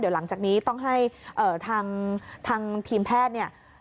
เดี๋ยวหลังจากนี้ต้องให้ทางทีมแพทย์เนี่ย